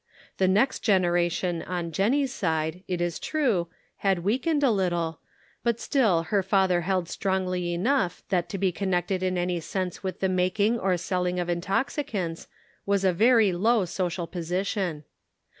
The next generation on Jennie's side, it is true, had weakened a little, but still her father held strongly enough tl«at to be connected in any sense with the making or selling of intoxicants was a very low social position.